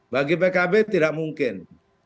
bagi pkb tidak mungkin